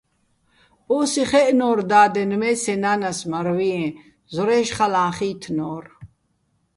ო́სი ხეჸნო́რ და́დენ, მე́ სე ნა́ნას მარ ვიეჼ, ზორაჲში̆ ხალაჼ ხი́თნორ.